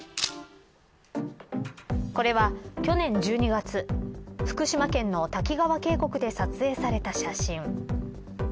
これは、去年１２月福島県の滝川渓谷で撮影された写真。